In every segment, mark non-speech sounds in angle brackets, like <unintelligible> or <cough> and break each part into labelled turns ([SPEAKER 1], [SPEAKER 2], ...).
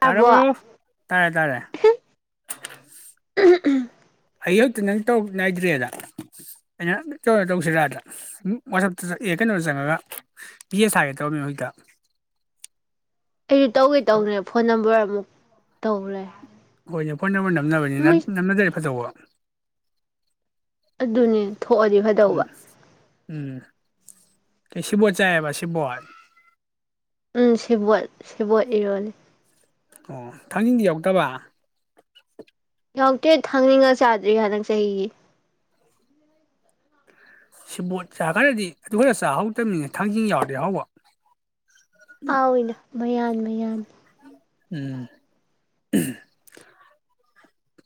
[SPEAKER 1] ꯌꯥꯕꯣ
[SPEAKER 2] ꯇꯥꯔꯕꯣ ꯇꯔꯦ ꯇꯥꯔꯦ
[SPEAKER 1] ꯎꯝ
[SPEAKER 2] ꯑꯩ ꯍꯦꯛꯇ ꯅꯪ ꯇꯧ ꯉꯏꯗ꯭ꯔꯦꯗ ꯑꯩꯅ ꯇꯧꯁꯤꯔꯗ ꯋꯥꯁꯞꯇ ꯑꯦ ꯀꯩꯅꯣ ꯆꯪꯉꯒ ꯌꯦꯁ ꯁꯥꯒꯦ ꯇꯧꯔꯝꯃꯤ ꯍꯧꯖꯤꯛꯇ
[SPEAKER 1] ꯑꯩꯁꯨ ꯇꯧꯒꯦ ꯇꯧꯅꯦ ꯐꯣꯟ ꯅꯝꯕꯔ ꯑꯃꯨꯛ ꯇꯧꯔꯦ
[SPEAKER 2] ꯍꯣꯏꯅꯤ ꯐꯣꯏꯅꯃꯟꯅꯣ ꯅꯝꯅꯕꯅꯤ ꯅ
[SPEAKER 1] ꯃꯣꯏ
[SPEAKER 2] ꯅꯝꯅꯖꯔꯤꯦ ꯐꯠꯇꯧꯕ
[SPEAKER 1] ꯑꯗꯨꯅꯦ ꯊꯣꯛꯑꯗꯤ ꯐꯗꯧꯕ
[SPEAKER 2] ꯁꯦꯚꯣꯠ ꯆꯥꯏꯕ ꯁꯦꯚꯣꯠ
[SPEAKER 1] ꯎꯝ ꯁꯦꯚꯣꯠ ꯁꯦꯕꯣꯠ ꯏꯔꯣꯜꯂꯤ
[SPEAKER 2] ꯑꯣ ꯊꯥꯡꯖꯤꯡꯗꯤ ꯌꯥꯎꯗꯕ
[SPEAKER 1] ꯌꯥꯎꯇꯦ ꯊꯥꯡꯖꯤꯡꯒ ꯆꯥꯗ꯭ꯔꯤ ꯍꯟꯗꯛ ꯆꯍꯤꯒꯤ
[SPEAKER 2] ꯁꯦꯕꯣꯠ ꯆꯥꯈ꯭ꯔꯗꯤ ꯑꯗꯨ ꯈꯔ ꯆꯥꯍꯧꯗꯕꯅꯤꯅ ꯊꯥꯡꯖꯤꯡ ꯌꯥꯎꯔꯗꯤ ꯍꯥꯎꯕ
[SPEAKER 1] ꯍꯥꯎꯏꯗ ꯃꯌꯥꯟ ꯃꯌꯥꯟ
[SPEAKER 2] ꯎꯝ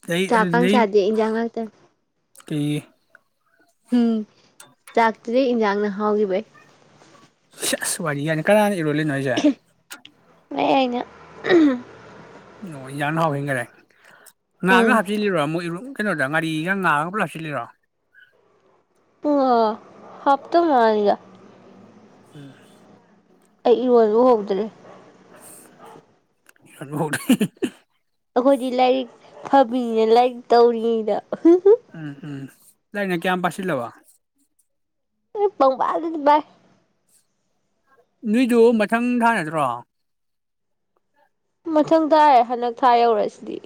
[SPEAKER 2] ꯑꯗꯩ
[SPEAKER 1] ꯆꯥꯛꯀꯝ ꯆꯗꯦ ꯏꯟꯖꯥꯡ ꯉꯥꯛꯇ
[SPEAKER 2] ꯀ
[SPEAKER 1] ꯎꯝ ꯆꯥꯛꯇꯨꯗꯩ ꯏꯟꯖꯥꯡꯅ ꯍꯥꯎꯈꯤꯕꯩ
[SPEAKER 2] ꯁꯦꯁ ꯋꯥꯔꯤ ꯀꯥꯏꯅ ꯀꯅ ꯏꯔꯣꯜꯂꯤ ꯅꯣ ꯍꯥꯏꯖꯦ
[SPEAKER 1] ꯑꯩꯅ
[SPEAKER 2] ꯅ ꯌꯥꯝꯥꯟ ꯍꯥꯎ ꯍꯦꯟꯈꯔꯦ ꯉꯥꯒ
[SPEAKER 1] ꯎꯝ
[SPEAKER 2] ꯍꯥꯞꯆꯤꯜꯂꯤꯔꯣ ꯑꯃꯨꯛ ꯏꯔꯣ ꯀꯩꯅꯣꯗ ꯉꯥꯔꯤꯒ ꯉꯥꯒ ꯄꯨꯂꯞ ꯍꯞꯁꯤꯜꯂꯤꯔꯣ
[SPEAKER 1] ꯑ ꯍꯥꯞꯇ ꯃꯥꯔꯒ
[SPEAKER 2] ꯎꯝ
[SPEAKER 1] ꯑꯩ ꯏꯔꯣꯜꯕ ꯎꯍꯧꯗ꯭ꯔꯦ
[SPEAKER 2] ꯑꯁꯁ ꯎꯍꯧꯗꯔꯦ
[SPEAKER 1] ꯑꯩꯈꯣꯏꯗꯤ ꯂꯥꯏꯔꯤꯛ ꯐꯕꯤꯅꯤꯅ ꯂꯥꯏꯔꯤꯛ ꯇꯧꯔꯤꯉꯩꯗ
[SPEAKER 2] ꯎꯝ ꯎꯝ ꯂꯥꯏꯔꯤꯛꯅ ꯀꯌꯥꯝ ꯄꯥꯁꯤꯜꯂꯕ
[SPEAKER 1] ꯑꯥꯡ ꯄꯪꯄꯥꯕꯗꯗꯤ ꯄꯥꯏ
[SPEAKER 2] ꯅꯣꯏꯗꯨꯕꯨ ꯃꯊꯪ ꯊꯥ ꯅꯠꯇ꯭ꯔꯣ
[SPEAKER 1] ꯃꯊꯪ ꯇꯥꯏ ꯍꯟꯗꯛ ꯊꯥ ꯌꯧꯔꯁꯤꯗꯤ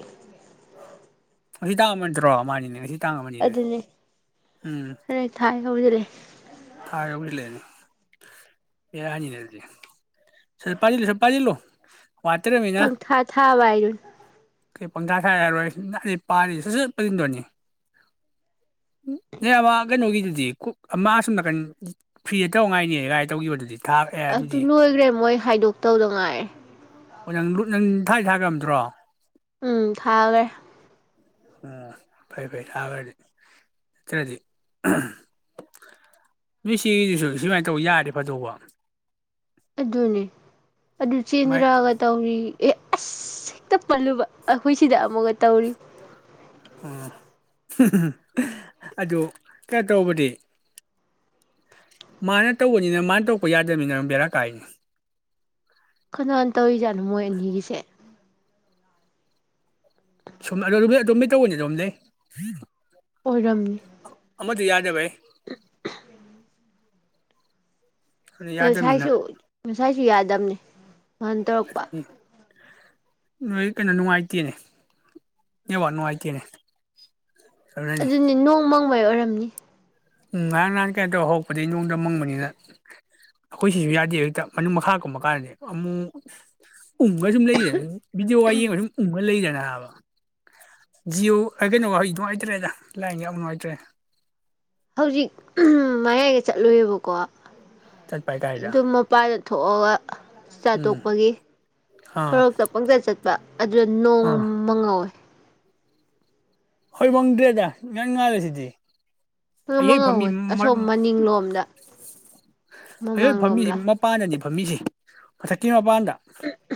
[SPEAKER 2] ꯉꯁꯤ ꯇꯥꯡ ꯑꯃ ꯅꯠꯇꯔꯣ ꯃꯥꯅꯤꯅꯦ ꯉꯁꯤ ꯇꯥꯡ ꯑꯃꯅꯤꯅꯦ
[SPEAKER 1] ꯑꯗꯨ ꯅꯦ
[SPEAKER 2] ꯎꯝ
[SPEAKER 1] ꯑ ꯊꯥꯏ ꯊꯖ ꯂꯩꯦ
[SPEAKER 2] ꯊꯥ ꯍꯧꯖꯤꯜꯂꯦꯅꯦ ꯕꯦꯔꯥꯅꯤꯅꯦ ꯑꯗꯨꯗꯤ ꯁꯠ ꯄꯥꯖꯤꯜꯂꯨ ꯁꯠ ꯄꯥꯖꯤꯜꯂꯨ
[SPEAKER 1] ꯄꯪꯊꯥ ꯊꯥꯕ ꯍꯥꯏꯗꯨꯅꯤ
[SPEAKER 2] ꯁ ꯌꯥꯔꯣꯏ ꯅꯥꯏ ꯄꯥꯅꯤ ꯁꯠ ꯁꯠ ꯄꯥꯁꯤꯟꯗꯧꯅꯤ ꯅꯣꯏ ꯑꯥ ꯀꯩꯅꯣꯒꯤꯗꯨꯗꯤ ꯀꯨꯛ ꯑꯃ ꯐꯔ꯭ ꯤ ꯗ ꯇꯧꯕ ꯉꯥꯏꯅꯤ ꯒꯥꯏ ꯇꯧꯈꯤꯕꯗꯨꯗꯤ ꯊꯥ ꯑꯦ
[SPEAKER 1] ꯑꯗꯨ
[SPEAKER 2] ꯑꯗꯨꯗꯤ
[SPEAKER 1] ꯂꯣꯏꯈ꯭ꯔꯦ ꯃꯣꯏ ꯍꯥꯏꯗꯣꯛꯇꯧꯗ ꯉꯥꯏꯔꯦ
[SPEAKER 2] ꯑꯣ ꯅꯪ ꯂꯨꯠ ꯅꯪ ꯊꯥꯗꯤ ꯊꯥꯈꯔ꯭ꯕ ꯅꯠꯇꯔꯣ
[SPEAKER 1] ꯎꯝ ꯊꯥꯈ꯭ꯔꯦ
[SPEAKER 2] ꯑꯣ ꯐꯩ ꯐꯩ ꯊꯥꯈ꯭ꯔꯗꯤ ꯅꯠꯇ꯭ꯔꯗꯤ ꯃꯤꯣꯏ ꯁꯤꯒꯤꯗꯨꯁꯨ ꯁꯨꯃꯥꯏꯅ ꯇꯧ ꯌꯥꯔꯦ ꯐꯗꯣꯛꯧꯕ
[SPEAKER 1] ꯑꯗꯨꯅꯦ ꯑꯗꯨ
[SPEAKER 2] ꯃꯥꯏ
[SPEAKER 1] ꯆꯦꯟꯅꯔꯛꯑꯒ ꯇꯧꯔꯤ ꯑꯦ ꯑꯁ ꯍꯦꯛꯇ ꯄꯜꯂꯨꯕ ꯑꯩꯈꯣꯏ ꯁꯤꯗ ꯑꯃꯒ ꯇꯧꯔꯤ
[SPEAKER 2] ꯑꯣ ꯑꯗꯨ ꯀꯩꯅꯣꯇꯧꯕꯗꯤ ꯃꯥꯅ ꯇꯧꯕꯅꯤꯅ ꯃꯥꯅ ꯇꯧꯄ ꯌꯥꯗꯕꯅꯤꯅ ꯕꯦꯔꯥ ꯀꯥꯏꯅꯦ
[SPEAKER 1] ꯀꯅꯥꯅ ꯇꯧꯔꯤꯖꯥꯠꯅꯣ ꯃꯣꯏ ꯑꯅꯤꯒꯤꯁꯦ
[SPEAKER 2] ꯁꯨꯝꯝ ꯑꯗꯨꯣꯝ ꯃꯤ ꯇꯧꯕꯅꯤ ꯑꯗꯣꯝ ꯂꯩ
[SPEAKER 1] ꯑꯣꯏꯔꯝꯅꯤ
[SPEAKER 2] ꯌꯥꯗꯕꯩ ꯑꯗꯨ ꯌꯥꯗꯕꯅꯤꯅ
[SPEAKER 1] ꯉꯁꯥꯏꯁꯨ ꯉꯁꯥꯏꯁꯨ ꯌꯥꯗꯕꯅꯤ ꯉꯍꯟ ꯇꯧꯔꯛꯄ
[SPEAKER 2] ꯅꯣꯏ ꯀꯩꯅꯣ ꯅꯨꯡꯉꯥꯏꯇꯦꯅꯦ ꯅꯦꯠꯋꯥꯥꯔꯀ ꯅꯨꯡꯉꯥꯏꯇꯦꯅꯦ ꯑꯗꯨꯅꯅꯤ
[SPEAKER 1] ꯑꯗꯨꯅꯤ ꯅꯣꯡꯃꯪ ꯍꯣꯏ ꯑꯣꯏꯔꯝꯅꯤ
[SPEAKER 2] ꯎ ꯉꯔꯥꯡ ꯉꯍꯥꯜ ꯀꯩꯅꯣ ꯇꯧꯕ ꯍꯧꯔꯛꯄꯗꯒꯤ ꯅꯣꯡ ꯃꯡꯕꯅꯤꯅ ꯑꯩꯈꯣꯏ ꯁꯤꯁꯨ ꯌꯥꯗꯦ ꯍꯦꯛꯇ ꯃꯅꯨꯡ ꯃꯈꯥ ꯀꯨꯝꯕ ꯀꯥꯟꯗꯗꯤ ꯑꯃꯨꯛ ꯎꯡꯉꯒ ꯁꯨꯝ ꯂꯩꯌꯦ ꯕꯤꯗꯤꯑꯣꯒ ꯌꯦꯡꯕꯗ ꯁꯨꯝ ꯎꯟꯒ ꯂꯩ ꯌꯥꯕ ꯖꯤꯑꯣ ꯑꯩ ꯀꯩꯅꯣ ꯋꯥꯍꯩ ꯅꯨꯡꯉꯥꯏꯇ꯭ꯔꯦꯗ ꯂꯥꯏꯡ ꯌꯥꯝ ꯅꯨꯡꯉꯥꯏꯇ꯭ꯔꯦ
[SPEAKER 1] ꯍꯧꯖꯤꯛ ꯃꯌꯥꯏꯒ ꯆꯠꯂꯨꯑꯦꯕꯀꯣ
[SPEAKER 2] ꯆꯠꯄ ꯀꯥꯏꯗ
[SPEAKER 1] ꯑꯗꯨꯝ ꯃꯄꯥ ꯊꯣꯛ ꯒꯥ
[SPEAKER 2] ꯎꯝ
[SPEAKER 1] ꯆꯥꯊꯣꯛꯄꯒꯤ
[SPEAKER 2] ꯑꯥ
[SPEAKER 1] ꯁꯣꯔꯣꯛꯇ ꯄꯪꯆꯠ ꯆꯠꯄ ꯑꯗꯨꯗ ꯅꯣꯡ
[SPEAKER 2] ꯑꯥ
[SPEAKER 1] ꯃꯍꯧꯋꯦ
[SPEAKER 2] ꯍꯣꯏ ꯃꯣꯡꯗ꯭ꯔꯦꯅꯦ ꯏꯉꯥꯅ ꯉꯥꯂꯦꯁꯤꯗꯤ
[SPEAKER 1] ꯅ ꯑꯃ ꯉꯧꯋꯏ ꯑꯁꯣꯝ ꯃꯅꯤꯡꯂꯣꯝꯗ ꯃꯃꯥꯡꯂꯣꯝꯂ
[SPEAKER 2] ꯝꯃꯤꯁꯦ ꯃꯊꯛꯀꯤ ꯃꯄꯥꯟꯗ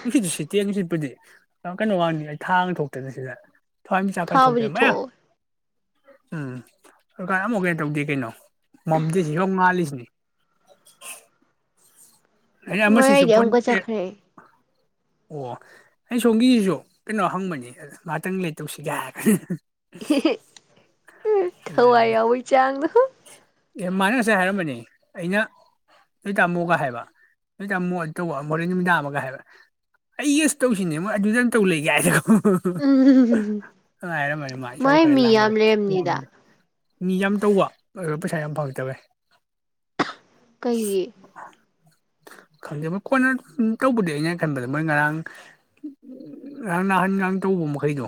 [SPEAKER 2] ꯏꯁꯤꯗꯁꯨ ꯁꯇ ꯌꯦꯅꯤꯗꯄꯨꯗꯤ ꯀꯩꯅꯣ ꯋꯥꯅꯤ ꯑꯩ ꯊꯥꯒ ꯊꯣꯛꯇꯅ ꯁꯤꯗ ꯊꯋꯥꯟꯃꯤꯆꯥꯀꯥ ꯊꯣꯛꯠꯅ
[SPEAKER 1] ꯊꯥꯕꯨꯗꯤ
[SPEAKER 2] ꯃꯌꯥꯝ
[SPEAKER 1] ꯊꯣꯛꯍꯧꯋꯦ
[SPEAKER 2] ꯎꯝ <unintelligible> ꯇꯧꯗꯦ ꯀꯩꯅꯣ ꯃꯝꯗꯦ ꯌꯣ ꯉꯥꯂꯤꯁꯤꯅꯤ <inaudible>
[SPEAKER 1] ꯃꯌꯥꯏꯗꯤ ꯑꯃꯨꯀ ꯆꯈꯔꯦ
[SPEAKER 2] ꯑꯣ ꯑꯩ ꯁꯣꯝꯒꯤꯁꯤꯁꯨ ꯀꯩꯅꯣ ꯍꯪꯕꯅꯤ ꯉꯍꯥꯛꯇꯪ ꯂꯩꯔꯒ ꯇꯧꯁꯤ ꯒꯥꯏ ꯍꯥꯏ
[SPEAKER 1] ꯍꯋꯥꯏ
[SPEAKER 2] ꯑꯗꯨꯅꯤ
[SPEAKER 1] ꯌꯥꯎꯕꯩ ꯆꯥꯡꯗꯣ
[SPEAKER 2] ꯑꯦ ꯃꯥꯅ ꯉꯁꯥꯏ ꯍꯥꯏꯔꯝꯕꯅꯦ ꯑꯩꯅ ꯅꯣꯏ ꯇꯥꯃꯣꯒ ꯍꯥꯏꯕ ꯅꯣꯏ ꯇꯥꯃꯣ ꯇꯧꯕ ꯍꯣꯔꯦ ꯅꯨꯃꯤꯗꯥꯡ ꯑꯃꯒ ꯍꯥꯏꯕ ꯑꯩꯒꯁꯨ ꯇꯧꯁꯤꯅꯦ ꯃꯣꯏ ꯑꯗꯨꯗ ꯇꯧ ꯂꯩ ꯒꯥ
[SPEAKER 1] ꯎꯝ
[SPEAKER 2] ꯍꯥꯏꯔꯝꯃꯅꯤ ꯃꯥ ꯏꯆꯧ
[SPEAKER 1] ꯃꯥꯏ
[SPEAKER 2] ꯈꯔ
[SPEAKER 1] ꯃꯤ ꯌꯥꯝ ꯂꯩꯔꯝꯅꯤꯗ
[SPEAKER 2] ꯂꯥꯡꯈꯔꯦꯃꯒꯦ ꯃꯤ ꯌꯥꯝ ꯇꯧꯕ ꯑꯗꯨꯒ ꯄꯩꯁꯥ ꯌꯥꯝ ꯐꯉꯛꯇꯕꯩ
[SPEAKER 1] ꯀꯩꯒꯤ
[SPEAKER 2] ꯈꯪꯗꯦ ꯃꯣꯏ ꯀꯣꯟꯅ ꯇꯧꯕꯗꯤ ꯑꯩꯅ ꯈꯟꯕꯗ ꯃꯣꯏ ꯉꯔꯥꯡ ꯉꯔꯥꯡ ꯅꯍꯍꯥꯟꯒꯥꯡ ꯇꯧꯕ ꯃꯈꯩꯗꯣ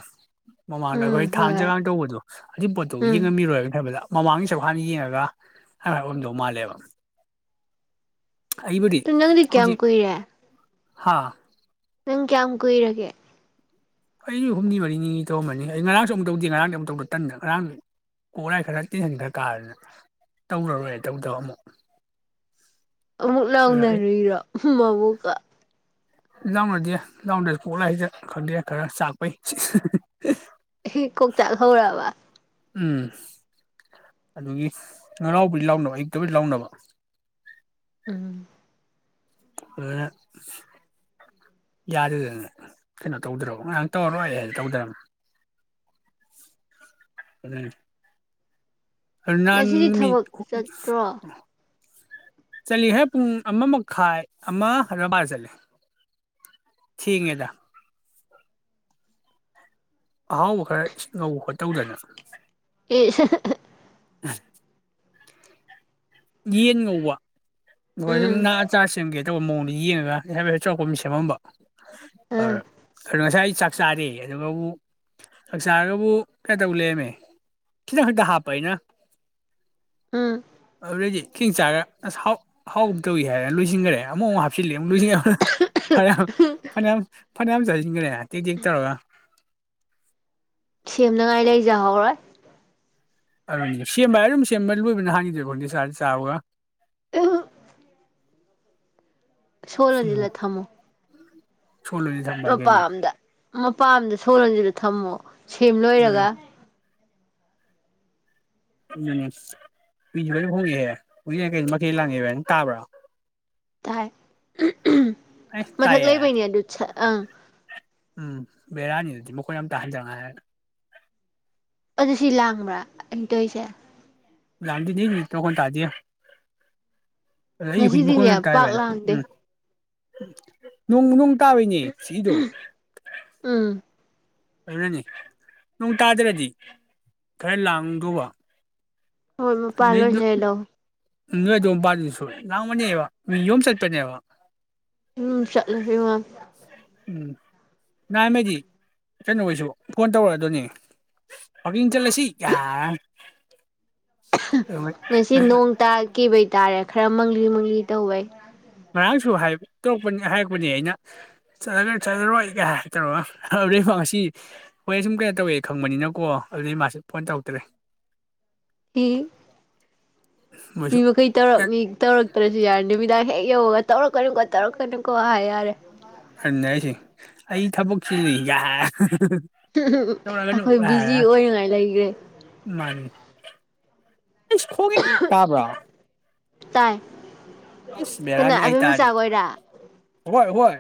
[SPEAKER 2] ꯃꯃꯥꯡꯗ ꯑꯩꯈꯣꯏ
[SPEAKER 1] ꯎꯝ
[SPEAKER 2] ꯊꯥꯡ
[SPEAKER 1] ꯍꯣꯏ ꯍꯣꯏ
[SPEAKER 2] ꯆꯒꯥꯡ ꯇꯧꯕꯗꯣ ꯑꯗꯨ ꯄꯣꯠꯇꯣ
[SPEAKER 1] ꯎꯝ
[SPEAKER 2] ꯌꯦꯡꯉꯝꯃꯤꯔꯣꯏ ꯑꯩꯟ ꯈꯟꯕꯗ ꯃꯃꯥꯡꯒꯤ ꯁꯔꯨꯛ ꯍꯥꯟꯅ ꯌꯦꯡꯉꯒ ꯍꯥꯏ ꯍꯥꯏꯑꯝꯗꯧ ꯃꯥꯜꯂꯦꯕ
[SPEAKER 1] ꯇꯨ ꯅꯪꯗꯤ ꯀꯌꯥꯝ ꯀꯨꯏꯔꯦ
[SPEAKER 2] ꯍꯥꯥ
[SPEAKER 1] ꯅꯪ ꯀꯌꯥꯝ ꯀꯨꯏꯔꯒꯦ
[SPEAKER 2] ꯑꯩꯁꯨ ꯍꯨꯝꯅꯤ ꯃꯔꯤꯅꯤ ꯇꯧꯔꯝꯝꯕꯅꯤ ꯑꯩ ꯉꯔꯥꯡꯁꯨ ꯑꯃꯨꯛ ꯇꯧꯗꯦ ꯉꯔꯥꯡꯁ ꯑꯃꯨꯛ ꯇꯧꯗ ꯇꯟꯗ ꯉꯔꯥꯡ ꯀꯣꯛꯠꯂꯥꯏ ꯈꯔ ꯇꯦꯟꯁꯟ ꯈ꯭ꯔ ꯀꯥꯗꯅ ꯇꯧꯔꯔꯣꯏ ꯇꯧꯗꯕ ꯑꯃꯨꯛ
[SPEAKER 1] ꯑꯃꯨꯛ
[SPEAKER 2] ꯑꯗꯨꯅ ꯑꯩ
[SPEAKER 1] ꯂꯥꯎꯅꯔꯤꯔꯣ ꯃꯕꯨ ꯀꯥ
[SPEAKER 2] ꯂꯥꯎꯅꯗꯦ ꯂꯥꯎꯅꯗ꯭ꯔꯁꯨ ꯄꯣꯛꯂ ꯍꯁ ꯈꯪꯗꯦ ꯈꯔ ꯆꯥꯛꯄꯩ
[SPEAKER 1] ꯍ ꯀꯣꯛ ꯆꯥꯛ ꯍꯧꯔꯕ
[SPEAKER 2] ꯎꯝ ꯑꯗꯨꯒꯤ <unintelligible> ꯂꯥꯎꯅꯕ ꯑꯩꯅꯥ ꯇꯨꯃꯤꯟ ꯂꯥꯎꯅꯕ
[SPEAKER 1] ꯎꯝ
[SPEAKER 2] ꯑꯗꯨꯅ ꯌꯥꯗꯗꯅ ꯀꯩꯅꯣ ꯇꯧꯗ꯭ꯔꯣ ꯉꯔꯍꯥꯡ ꯇꯧꯔꯔꯣꯏ ꯑꯩ ꯍꯥꯏꯅ ꯇꯧꯗ꯭ꯔꯅꯤ ꯎꯝ
[SPEAKER 1] ꯉꯁꯤꯗꯤ
[SPEAKER 2] ꯀꯃꯤ
[SPEAKER 1] ꯊꯕꯛ ꯆꯠꯇ꯭ꯔꯣ
[SPEAKER 2] ꯆꯠꯂꯤꯍꯦ ꯄꯨꯡ ꯑꯃ ꯃꯈꯥꯏ ꯑꯃ ꯔꯕꯥꯔ ꯆꯠꯂ ꯊꯦꯡꯉꯦꯗ ꯑꯍꯥꯎꯕ ꯈꯔ ꯇꯧ ꯈꯣꯠꯇꯧꯗꯅ
[SPEAKER 1] ꯑꯦ
[SPEAKER 2] ꯑꯥ ꯌꯦꯅꯤꯡ ꯉꯧꯕꯥ ꯍꯣꯏ
[SPEAKER 1] ꯎꯝ
[SPEAKER 2] ꯑꯆꯥꯁꯤꯒꯦ ꯑꯆꯧꯕ ꯃꯑꯣꯡꯗ ꯌꯦꯡꯉꯒ ꯑꯩ ꯍꯥꯏꯦ ꯆꯥꯎꯔꯥꯛꯄ ꯃꯤꯁꯦꯝ ꯑꯃꯝꯕ ꯑꯣ
[SPEAKER 1] ꯎꯝ
[SPEAKER 2] ꯉꯁꯥꯏ ꯆꯥꯛ ꯆꯥꯔꯦ ꯑꯗꯨꯒꯕꯨ ꯆꯥꯛ ꯆꯥꯔꯒꯕꯨ ꯀꯩꯇꯧ ꯂꯦꯝꯔꯃꯦ ꯈꯤꯇꯪ ꯈꯛꯇ ꯍꯥꯞꯄ ꯑꯩꯅ
[SPEAKER 1] ꯎꯝ
[SPEAKER 2] ꯑꯗꯨꯗꯩꯗꯤ ꯈꯤꯦꯡ ꯆꯥꯒꯁꯥꯎ ꯍꯥꯎ ꯇꯧꯏ ꯍꯥꯏꯅ ꯂꯣꯏꯁꯤꯟꯈꯦ ꯑꯃꯨꯛꯨꯛ ꯍꯥꯞꯆꯤꯂꯦꯨꯛ ꯂꯣꯏ ꯐꯅ ꯐꯅꯌꯥꯝ ꯐꯅꯌꯥꯝ ꯑꯃ ꯆꯖꯤꯟꯒꯔꯦ ꯇꯛ‌ꯇꯛ ꯇꯧꯔ
[SPEAKER 1] ꯁꯦꯝꯅꯉꯥꯏ ꯂꯩꯖꯍꯧꯔꯣꯏ
[SPEAKER 2] ꯑꯗꯨ ꯁꯦꯝꯕ ꯍꯥꯏ ꯑꯗꯨꯝ ꯁꯦꯝꯕ ꯂꯣꯏꯕꯅ ꯍꯥꯡꯈꯤꯗꯦꯕꯀꯣꯗꯤ ꯁꯥ ꯆꯥꯎꯒ
[SPEAKER 1] ꯑ
[SPEAKER 2] ꯎꯝ
[SPEAKER 1] ꯁꯣꯂꯣꯟꯖꯤꯜꯂ ꯊꯝꯃꯣ
[SPEAKER 2] ꯁꯣꯜꯂꯣꯏꯅ ꯊꯝꯕ ꯍꯥꯏ
[SPEAKER 1] ꯃꯄꯥ
[SPEAKER 2] ꯀꯩꯅꯣ
[SPEAKER 1] ꯑꯝꯗ ꯃꯄꯥꯝꯗ ꯁꯣꯔꯣꯟꯁꯤꯗ ꯊꯝꯃꯣ ꯁꯦꯝ
[SPEAKER 2] ꯎꯝ
[SPEAKER 1] ꯂꯣꯏꯔꯒ
[SPEAKER 2] ꯎꯝ ꯃꯤꯁꯨ ꯂꯣꯏ ꯍꯣꯡꯉꯦꯍꯦ ꯍꯧꯖꯤꯛ ꯀꯩ ꯃꯈꯩ ꯂꯥꯡꯉꯦꯅ ꯇꯥꯕ꯭ꯔꯥ
[SPEAKER 1] ꯊꯥꯏ
[SPEAKER 2] ꯑꯩ
[SPEAKER 1] ꯃꯊꯛ
[SPEAKER 2] ꯇꯥꯏꯌꯦ
[SPEAKER 1] ꯂꯩꯕꯩꯅꯤ ꯑꯗꯨ ꯑꯥ
[SPEAKER 2] ꯎꯝ ꯕꯦꯔꯥꯅꯤꯗꯨꯗꯤ ꯃꯈꯣꯏꯅ ꯌꯥꯝ ꯇꯥꯍꯟꯖꯉꯥꯏ ꯍꯥꯏꯔꯅ
[SPEAKER 1] ꯑꯗꯨ ꯁꯤ ꯂꯥꯡꯕ꯭ꯔꯥ ꯑꯩꯇꯣꯏꯁꯦ
[SPEAKER 2] ꯥꯂꯥꯡꯒꯤꯗꯩ ꯃꯤ ꯀꯣꯟ ꯇꯥꯗꯤ ꯑꯗ ꯑꯩ ꯍꯧꯖꯤꯛ
[SPEAKER 1] ꯉꯁꯤꯗꯤꯅꯦ
[SPEAKER 2] ꯃꯈꯣꯟ ꯀꯥꯏꯕ
[SPEAKER 1] ꯄꯥꯛ
[SPEAKER 2] ꯍꯥꯏꯅ
[SPEAKER 1] ꯂꯥꯡꯗꯦ
[SPEAKER 2] ꯎꯝ ꯅꯨꯡꯅꯨꯡ ꯇꯕꯅꯦ ꯏꯗ
[SPEAKER 1] ꯎꯝ
[SPEAKER 2] ꯑꯗꯨꯅꯅꯤ ꯅꯣꯡ ꯇꯥꯗ꯭ꯔꯗꯤ ꯈꯔ ꯂꯥꯡꯗꯧꯕ
[SPEAKER 1] ꯍꯣꯏ
[SPEAKER 2] ꯅꯣꯏ
[SPEAKER 1] ꯃꯄꯥꯥꯂꯣ ꯂꯥꯏ ꯂꯥꯎ
[SPEAKER 2] ꯅꯣꯏ ꯑꯗꯨꯝ ꯃꯄꯥꯜꯗꯨ ꯁ ꯉꯥꯡꯕꯅꯦꯕ ꯃꯤ ꯌꯣꯨꯝꯝ ꯆꯠꯄꯅꯦꯕ
[SPEAKER 1] ꯎꯝ ꯆꯠꯂꯕꯤ ꯋꯥ
[SPEAKER 2] ꯎꯝ ꯅꯍꯥꯟ ꯃꯩꯗꯤ ꯀꯩꯅꯣꯈꯩꯏꯁꯨ ꯐꯣꯟ ꯇꯧꯔꯛꯑ ꯗꯧꯅꯤ ꯋꯥꯀꯤꯡ ꯆꯠꯂꯁꯤ ꯌꯥꯔ
[SPEAKER 1] ꯉꯁꯤ ꯅꯣꯡ ꯇꯥꯈꯤꯕꯩ ꯍꯥꯏꯇꯥꯔꯦ ꯈꯔ ꯃꯪꯂꯤ ꯃꯪꯂꯤ ꯇꯧꯋꯦ
[SPEAKER 2] ꯉꯔꯥꯡꯁꯨ ꯍꯥꯏꯔꯛꯄꯅꯦ ꯑꯩꯅꯂ ꯆꯠꯂꯔꯣꯏ ꯀ ꯇꯧꯔꯒ ꯑꯗꯨꯗꯩ ꯉꯁꯤ ꯍꯣꯏ ꯁꯨꯝ ꯀꯩꯅꯣ ꯇꯧꯋꯦ ꯈꯪꯕꯅꯤꯅꯀꯣ ꯑꯗꯨꯗꯩ ꯃꯥꯁꯨ ꯐꯣꯟ ꯇꯧꯔꯛꯇ꯭ꯔꯦ
[SPEAKER 1] ꯍ ꯃꯤ
[SPEAKER 2] ꯃꯣꯏꯁꯨ
[SPEAKER 1] ꯃꯈꯩ ꯇꯧꯔꯛꯅꯤ ꯇꯧꯔꯛꯇ꯭ꯔꯁꯨ ꯌꯥꯔꯅꯤ ꯅꯨꯃꯤꯗꯥꯡ ꯍꯦꯛ ꯌꯧꯉꯒ ꯇꯧꯔꯛꯀꯅꯤꯀꯣ ꯇꯧꯔꯛꯀꯅꯤꯀꯣ ꯍꯥꯏ ꯌꯥꯔꯦ
[SPEAKER 2] ꯈꯅꯦ ꯑꯩꯁꯦ ꯑꯩ ꯊꯕꯛꯁꯤ ꯂꯩꯏ
[SPEAKER 1] ꯑꯩꯈꯣꯏ ꯕꯤꯖꯤ ꯑꯣꯏꯅꯉꯥꯏ ꯂꯩꯈ꯭ꯔꯦ
[SPEAKER 2] ꯐ ꯇꯕ꯭ꯔꯥ
[SPEAKER 1] ꯇꯥꯏ ꯀꯅꯥ
[SPEAKER 2] ꯕꯦꯔꯥꯅꯤ ꯑꯩ
[SPEAKER 1] ꯑꯦꯝ ꯃꯆꯥ
[SPEAKER 2] ꯇꯥꯔꯤ
[SPEAKER 1] ꯑꯣꯏ ꯑꯣꯏꯔ
[SPEAKER 2] ꯍꯣꯏ ꯍꯣꯏ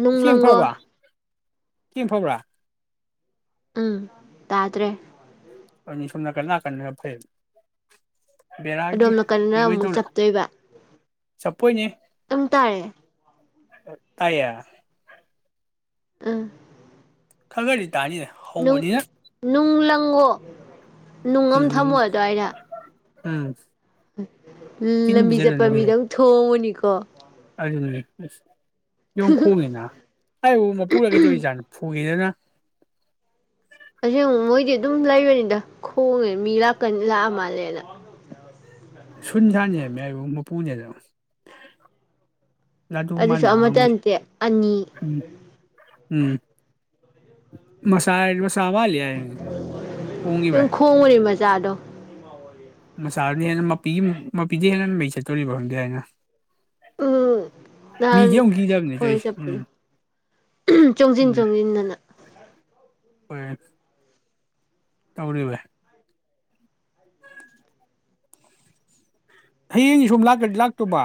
[SPEAKER 1] ꯅꯨꯡ ꯂꯪꯒꯣ
[SPEAKER 2] ꯀꯝ ꯐꯕ꯭ꯔꯥ
[SPEAKER 1] ꯎꯝ ꯇꯥꯗ꯭ꯔꯦ
[SPEAKER 2] ꯑꯅꯤ ꯁꯨꯅ ꯀꯅꯥ ꯀ ꯐꯦ
[SPEAKER 1] ꯑꯗꯣꯝꯅ ꯀꯟꯅꯅ ꯑꯃꯨꯛ ꯆꯞꯠꯇꯣꯏꯕ
[SPEAKER 2] ꯆꯄꯣ ꯏꯅꯤꯦ
[SPEAKER 1] ꯇ ꯇꯥꯔꯦ
[SPEAKER 2] ꯑꯌꯥ
[SPEAKER 1] ꯑꯝ
[SPEAKER 2] ꯈꯒꯔꯤ
[SPEAKER 1] ꯅꯨꯡꯂꯪ ꯇꯨꯡꯉ ꯅꯨꯡ ꯑꯃꯝ
[SPEAKER 2] ꯎꯝ
[SPEAKER 1] ꯊꯝꯃꯣ ꯑ ꯑꯗꯨꯋꯥꯏꯗ
[SPEAKER 2] ꯎꯝ ꯆꯤꯟ
[SPEAKER 1] ꯂꯝꯕꯤ ꯆꯠꯄ ꯃꯤꯗꯪ ꯊꯣꯡꯉꯨꯅꯤꯀꯣ ꯀꯣ
[SPEAKER 2] ꯑꯅ ꯂꯩꯁ ꯌꯣꯡꯈꯣꯡꯅꯤꯅ ꯑꯩꯕꯨ ꯃꯄꯨꯔꯒ ꯀꯩꯗꯧꯔꯤꯖꯥꯠꯅꯣ ꯐꯨꯈꯤꯦꯗꯅ <inaudible>
[SPEAKER 1] ꯑ ꯑꯃꯨꯛ ꯃꯣꯏꯗꯤ ꯑꯗꯨꯝ ꯂꯩꯕꯅꯤꯗ ꯈꯣꯡꯉꯦ ꯃꯤ ꯂꯥꯀꯅꯤ ꯂꯥꯛꯑ ꯃꯥꯜꯂꯦꯅ
[SPEAKER 2] ꯁꯨꯟ ꯁꯥꯥꯟꯅꯦꯃꯦ ꯑꯩꯕꯨ ꯃꯄꯨꯅꯦꯗ
[SPEAKER 1] ꯑꯗꯨꯁꯨ ꯑꯃꯇ ꯅꯇꯦ ꯑꯅꯤ
[SPEAKER 2] ꯎꯝ ꯎꯝ ꯃꯁꯥꯁ ꯆꯕꯜ ꯌꯥ ꯀꯣꯡꯉꯤꯕꯥꯏ
[SPEAKER 1] ꯆꯥꯗꯣ
[SPEAKER 2] ꯃꯆꯥꯗꯨꯗꯤ ꯍꯦꯟꯅ ꯃꯄꯤꯒꯤ ꯃꯄꯤꯗꯤ ꯍꯦꯟꯅ ꯃꯩ ꯆꯠꯇꯣꯔꯤꯕ ꯈꯪꯗ ꯍꯥꯏꯅ
[SPEAKER 1] ꯎꯝ
[SPEAKER 2] ꯃꯤꯒꯤꯦ
[SPEAKER 1] ꯅꯍꯥꯟ
[SPEAKER 2] ꯍꯧꯈꯤꯖꯕꯅꯦ ꯇꯁ
[SPEAKER 1] ꯑꯩꯈꯣꯏ
[SPEAKER 2] ꯎꯝ
[SPEAKER 1] ꯆꯠꯄꯗꯣ ꯆꯣꯡꯁꯤꯟ
[SPEAKER 2] ꯎꯝ
[SPEAKER 1] ꯆꯣꯡꯁꯤꯟꯗꯅ
[SPEAKER 2] ꯍꯣꯏ ꯇꯧꯔꯤꯕ ꯍꯌꯦꯡ ꯁꯨꯝ ꯂꯥꯛꯀꯗꯤ ꯂꯥꯛꯇꯕ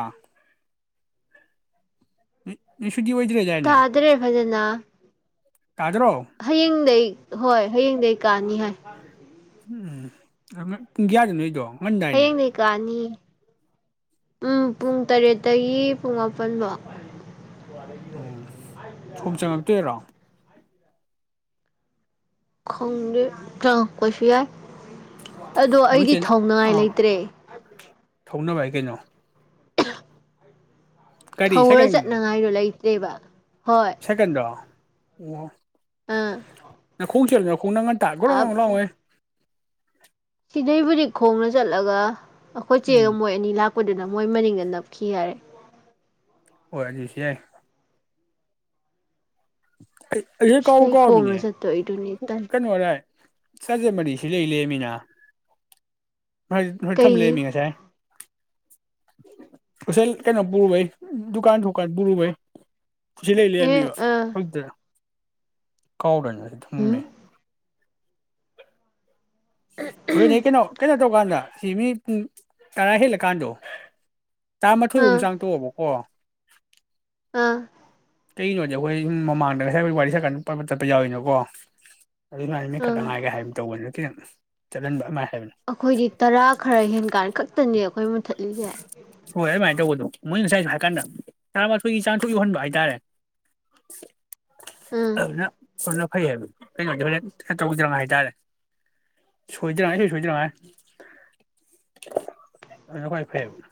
[SPEAKER 2] ꯎ ꯁ ꯑꯣꯏꯗꯔꯦꯖꯦꯅꯦ
[SPEAKER 1] ꯂ ꯍꯌꯦꯡꯗꯩ ꯍꯣꯏ ꯍꯌꯦꯡꯗꯒꯤ ꯀꯥꯅꯤ ꯍꯥꯏ
[SPEAKER 2] ꯎꯝ ꯎꯝ ꯄꯨꯡꯒ꯭ꯌꯥ ꯑꯗꯨꯩꯗꯣ
[SPEAKER 1] ꯍꯌꯦꯡ ꯂꯩꯀꯥꯅꯤ ꯎꯝ ꯄꯨꯡ ꯇꯔꯦꯠꯇꯒꯤ ꯄꯨꯡ ꯃꯥꯄꯜꯕꯥꯎ
[SPEAKER 2] ꯎꯝ ꯁꯣꯨꯝ ꯆꯪꯉꯛꯇꯣꯏꯔꯣ
[SPEAKER 1] ꯈꯪꯦ ꯀ ꯀꯁꯨ ꯌꯥ ꯑꯗꯣ
[SPEAKER 2] ꯅꯣꯏ
[SPEAKER 1] ꯑꯩꯗꯤ
[SPEAKER 2] ꯆꯦꯅ
[SPEAKER 1] ꯊꯧꯅꯤꯉꯥꯏ
[SPEAKER 2] ꯑꯥ
[SPEAKER 1] ꯂꯩꯇ꯭ꯔꯦ
[SPEAKER 2] ꯊꯧꯅꯕ ꯍꯥꯏ ꯀꯩꯅꯣ ꯀꯔꯤ
[SPEAKER 1] ꯊꯧꯔ ꯆꯠꯅꯉꯥꯏꯗꯣ ꯂꯩꯇꯦ ꯂꯩꯕ
[SPEAKER 2] ꯁꯦꯀꯦꯟꯗꯣ
[SPEAKER 1] ꯑꯥ
[SPEAKER 2] ꯑꯣ ꯈꯣꯡ ꯆꯂ ꯍꯧꯅ ꯉꯟꯇꯥ ꯇꯒ꯭ꯔꯣ ꯂꯑꯣꯋꯦ
[SPEAKER 1] ꯁꯤꯗꯩꯕꯨꯗꯤꯛ ꯈꯣꯡꯅ ꯆꯠꯂꯒ ꯑꯩꯈꯣꯏ ꯆꯦꯡ
[SPEAKER 2] ꯎꯝ
[SPEAKER 1] ꯑꯃꯣꯏ ꯑꯅꯤ ꯂꯥꯛꯄ ꯅꯄꯗꯨꯅ ꯃꯣꯏ ꯃꯅꯤꯡꯗ ꯅꯞꯈꯤ ꯍꯥꯏꯔꯦ
[SPEAKER 2] ꯍꫭꯏ ꯑꯗꯨꯁꯨ ꯌꯥꯏ ꯍ ꯀꯥꯎ
[SPEAKER 1] ꯁꯤꯗꯩ
[SPEAKER 2] ꯀꯥꯎꯃꯤꯅꯦ
[SPEAKER 1] ꯈꯣꯡꯅ ꯆꯠꯇꯣꯏꯗꯨꯅꯤ ꯇꯜꯂꯤ
[SPEAKER 2] ꯀꯩꯅꫭꯔꯥꯏ ꯆꯖꯦꯔ ꯃꯔꯤ ꯁꯤꯂꯩ ꯂꯩꯦꯃꯤꯅ ꯊꯝ
[SPEAKER 1] ꯀꯩꯒꯤ
[SPEAKER 2] ꯂꯩꯔꯝꯃꯤ ꯉꯁꯥꯏ ꯎꯁꯦꯜ ꯀꯩꯅꯣ ꯄꯨꯔꯨ ꯗꯨꯀꯥꯟ ꯊꯨꯀꯥꯟ ꯄꯨꯔꯨꯚꯏ ꯏꯂ ꯏꯂꯂꯤꯌꯥ
[SPEAKER 1] ꯑꯦ
[SPEAKER 2] ꯃꯕ
[SPEAKER 1] ꯑꯥ
[SPEAKER 2] ꯍꯗꯔ ꯀꯥꯎꯗꯅ
[SPEAKER 1] ꯎꯝ
[SPEAKER 2] ꯊꯨꯝꯃꯦ ꯀꯩꯅꯣ ꯀꯩꯅꯣ ꯇꯧꯀꯥꯟꯗ ꯁꯤ ꯃꯤꯅꯤꯠ ꯇꯥꯔꯥ ꯍꯦꯜꯂꯀꯥꯟꯗꯣ ꯇꯥꯃꯥꯊꯣꯏ ꯑꯨꯨꯝ
[SPEAKER 1] ꯑꯥ
[SPEAKER 2] ꯆꯥꯡ ꯇꯣꯛꯑꯕꯀꯣ <inaudible>
[SPEAKER 1] ꯑꯥ
[SPEAKER 2] ꯀꯩꯒꯤꯅꯣꯗꯤ ꯑꯩꯈꯣꯏ ꯁꯨꯝ ꯃꯃꯥꯡꯗ ꯍꯥꯏꯕꯣꯏ ꯋꯥꯔꯤ ꯁꯀꯥꯟ ꯆꯠꯄ ꯌꯥꯎꯋꯅꯀꯣ ꯑꯗꯨꯃꯅ
[SPEAKER 1] ꯑꯥ
[SPEAKER 2] ꯃꯤꯠꯈꯠꯅꯉꯥꯏꯒꯦ ꯍꯥꯏꯒꯨꯝ ꯇꯧꯕꯅ ꯈꯤꯇꯪ ꯆꯠꯍꯟꯕꯥ ꯍꯥꯃꯥꯏ
[SPEAKER 1] ꯑꯩꯈꯣꯏꯗꯤ ꯇꯔꯥ ꯈꯔ ꯍꯦꯟꯀꯥꯟ ꯈꯛꯇꯅꯦ ꯑꯩꯈꯣꯏ ꯃꯨꯊꯠꯂꯤꯁꯦ
[SPEAKER 2] ꯍꯣꯏ ꯑꯗꯨꯃꯥꯏꯅ ꯇꯧꯕꯗꯣ ꯃꯣꯏ ꯉꯁꯥꯏꯁꯨ ꯍꯥꯏ ꯀꯥꯟꯗ ꯇꯔꯥꯃꯥꯊꯣꯏꯒꯤ ꯆꯥꯡꯊꯣꯛ ꯌꯧꯍꯟꯕ ꯍꯥꯏꯇꯥꯔꯦ
[SPEAKER 1] ꯎꯝ
[SPEAKER 2] <inaudible> ꯑꯗꯨꯅ ꯑꯗꯨꯅ ꯐꯩ ꯍꯥꯏꯕ ꯀꯩꯅꯣꯗ ꯍꯦꯟ ꯇꯧꯗ꯭ꯔꯥꯉꯥꯏ ꯍꯥꯏꯇꯥꯔꯦ ꯁꯣꯏꯗꯔꯤꯉꯩ ꯁꯣꯏ ꯁꯣꯏꯗ꯭ꯔꯤꯉꯥꯏ ꯑꯗꯨꯗ ꯈ꯭ꯋꯥꯏ ꯐꯩ ꯌꯥꯕ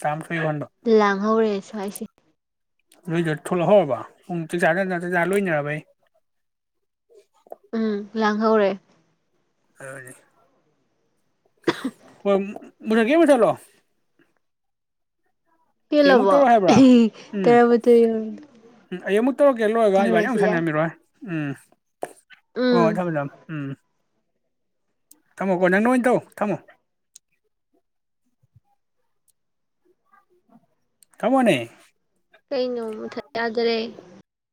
[SPEAKER 2] ꯇꯥꯃꯊ
[SPEAKER 1] ꯂꯥꯡꯍꯧꯔꯦ ꯁ꯭ꯋꯥꯏꯁꯦ
[SPEAKER 2] ꯅꯣꯏꯗ ꯊꯣꯛꯂꯛꯍꯧꯔꯕ ꯄꯨꯡ ꯆꯥꯛꯖ ꯆꯖ ꯆꯤꯟꯖ ꯂꯣꯏꯅꯔꯕꯩ
[SPEAKER 1] ꯎꯝ ꯂꯥꯡꯍꯧꯔꯦ
[SPEAKER 2] ꯑꯗꯨꯅꯤ ꯍꯣꯏ ꯃꯨꯊꯠ ꯀꯦ ꯃꯨꯊꯠꯂꯣ ꯑꯩ ꯑꯃꯨꯛ
[SPEAKER 1] ꯍꯦꯜꯂꯕꯣ
[SPEAKER 2] ꯇꯧꯔꯛ ꯍꯥꯏꯕ꯭ꯔꯥ ꯎꯝ
[SPEAKER 1] ꯇꯔꯥꯃꯥꯊꯣꯏ ꯌꯧꯔꯦ
[SPEAKER 2] ꯎꯝ ꯑꯩ ꯑꯃꯨꯛ ꯇꯧꯔꯛꯀꯦ ꯂꯣꯏꯔꯒ ꯏꯕꯥꯥꯏꯅ
[SPEAKER 1] ꯊꯧꯔꯁꯨ
[SPEAKER 2] ꯌꯥꯝ
[SPEAKER 1] ꯌꯥꯏ
[SPEAKER 2] ꯁꯥꯟꯅꯃꯤꯔꯣꯏ ꯎꯝ
[SPEAKER 1] ꯎꯝ
[SPEAKER 2] ꯑꯣ ꯊꯝꯃꯤꯊꯝ ꯎꯝ ꯊꯝꯃꯣ ꯀꯣ ꯅꯪ ꯅ ꯑꯣꯏꯅꯥ ꯇꯧ ꯊꯝꯃꯣ ꯊꯝꯃꯣꯅꯦ
[SPEAKER 1] ꯀꯩ ꯅꯣ ꯃꯨꯊꯥꯠꯌꯗ꯭ꯔꯦ